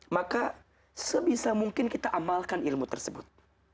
maka sebisa mungkin kita amalkan ilmu tersebut